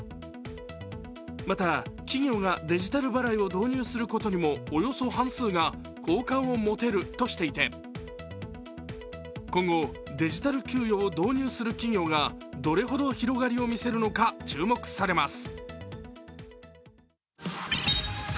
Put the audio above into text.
また、企業がデジタル払いを導入することにもおよそ半数が好感を持てるとしていて今後、デジタル給与を導入する企業がどれほど広がりを見せるのか注目されます。